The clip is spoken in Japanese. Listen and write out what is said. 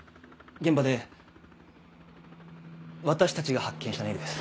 現場で私たちが発見したネイルです。